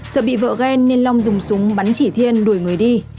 sợ bị vỡ ghen nên long dùng súng bắn chỉ thiên đuổi người đi